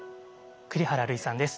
栗原類さんです。